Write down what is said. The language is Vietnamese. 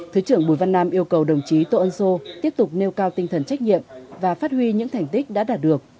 thứ trưởng bùi văn nam yêu cầu đồng chí tô ân sô tiếp tục nêu cao tinh thần trách nhiệm và phát huy những thành tích đã đạt được